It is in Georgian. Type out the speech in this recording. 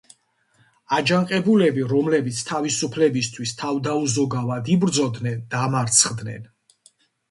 აჯანყებულები რომლებიც თავისუფლებისთვის თავდაუზოგავად იბრძოდნენ დამარცხდნენ.